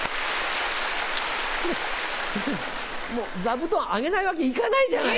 座布団あげないわけいかないじゃない。